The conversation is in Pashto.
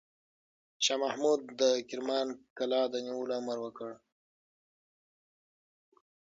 شاه محمود د کرمان قلعه د نیولو امر وکړ.